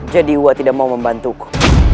jadi uak tidak mau membantuku